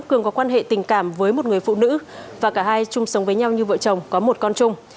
cường có quan hệ tình cảm với một người phụ nữ và cả hai chung sống với nhau như vợ chồng có một con chung